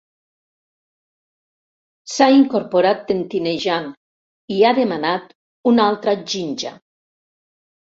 S'ha incorporat tentinejant i ha demanat una altra ginja.